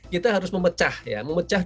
kita harus memecah ya memecah